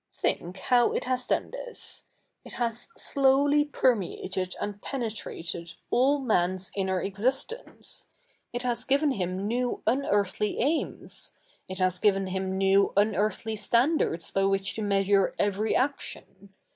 Think how it has done this. It has sloivly permeated a7id pe/ietrated all ma?i's inner existence. It has given him new unearthly aims ; it has given him ?iew unearthly standai'ds by which to measu? e every action.